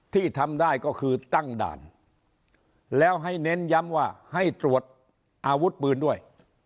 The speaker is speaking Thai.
ที่ทำได้ก็คือตั้งด่านแล้วให้เน้นย้ำว่าให้ตรวจอาวุธปืนด้วย